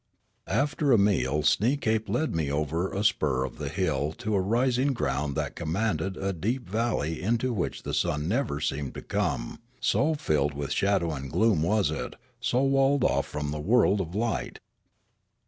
After a meal Sneekape led me over a spur of the hill to a rising ground that commanded a deep valley into which the sun never seemed to come, so filled with shadow and gloom was it, so walled off from the world of light.